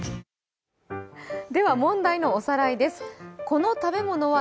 問題のおさらいです。